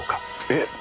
えっ。